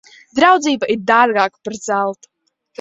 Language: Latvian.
Draudzība ir dārgāka par zeltu.